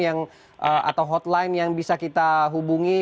atau hotline yang bisa kita hubungi